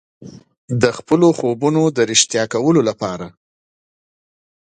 د خپلو خوبونو د ریښتیا کولو لپاره.